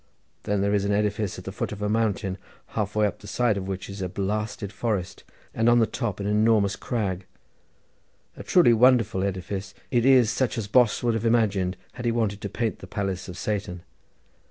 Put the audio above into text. Then there is an edifice at the foot of a mountain, half way up the side of which is a blasted forest, and on the top an enormous crag. A truly wonderful edifice it is, such as Bos would have imagined had he wanted to paint the palace of Satan.